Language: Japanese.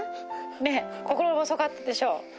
心細かったでしょ。